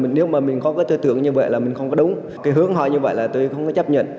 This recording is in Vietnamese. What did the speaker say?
mình nếu mà mình có cái tư tưởng như vậy là mình không có đúng cái hướng họ như vậy là tôi không có chấp nhận